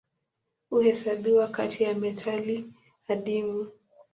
Huhesabiwa kati ya metali adimu.